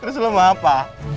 terus lo mau apa